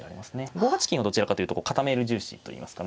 ５八金はどちらかというと固める重視といいますかね